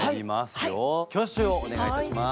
挙手をお願いいたします。